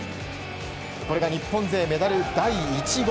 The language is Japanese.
これが日本勢メダル第１号。